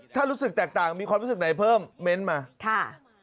ถ้ารู้สึกแตกต่างมีความรู้สึกไหนเพิ่มเม้นต์มาค่ะ